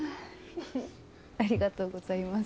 ありがとうございます。